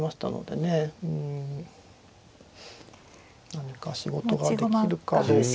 何か仕事ができるかどうか。